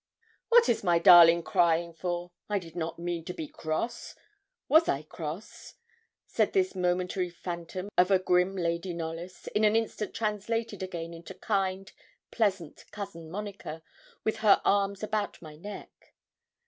'What is my darling crying for? I did not mean to be cross. Was I cross?' said this momentary phantom of a grim Lady Knollys, in an instant translated again into kind, pleasant Cousin Monica, with her arms about my neck.